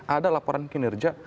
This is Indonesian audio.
ada laporan kinerja